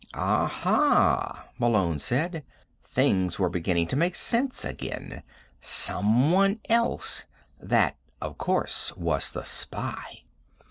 "Aha," Malone said. Things were beginning to make sense again. Someone else. That, of course, was the spy.